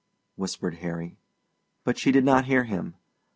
whispered Harry. But she did not hear him.